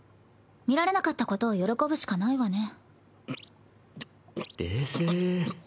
見られなかったことを喜ぶしかないわね。